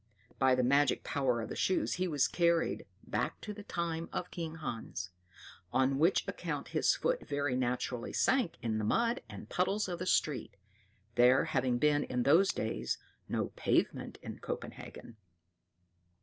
By the magic power of the shoes he was carried back to the times of King Hans; on which account his foot very naturally sank in the mud and puddles of the street, there having been in those days no pavement in Copenhagen.